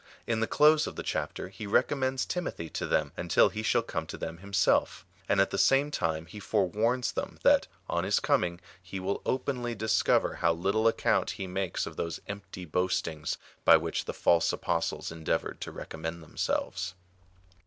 In the close of the chapter he recommends Timothy to them, until he shall come to them himself ; and at the same time he fore warns them that, on his coming, he will openly discover how little account he makes of those empty boastings by which the false apostles endeavoured to recommend themselves.